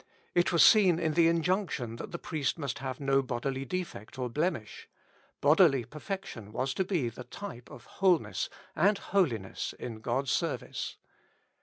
It was seen in the injunction that the priest must have no bodily defect or blemish ; bodily per fection was to be the type of wholeness and holiness in God's service.